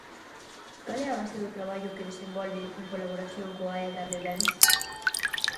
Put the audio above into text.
Cal é a base do traballo que desenvolven en colaboración coa Edar de Bens?